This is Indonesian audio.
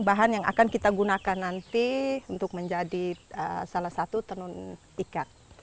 bahan yang akan kita gunakan nanti untuk menjadi salah satu tenun ikat